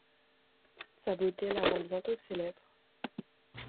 Sa beauté la rend bientôt célèbre.